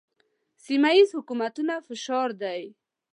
سیمه ییزو حکومتونو فشار دی.